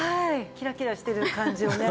キラキラしてる感じをね